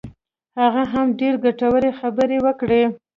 هغه هم ډېرې ګټورې خبرې وکړې.